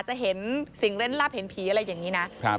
จะเห็นสิ่งเล่นลับเห็นผีอะไรอย่างนี้นะ